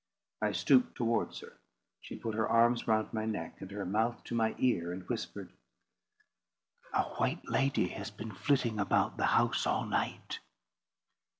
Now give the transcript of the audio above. I stooped towards her; she put her arms round my neck, and her mouth to my ear, and whispered— "A white lady has been flitting about the house all night."